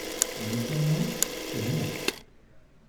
Le huitième nom, c’est le mien.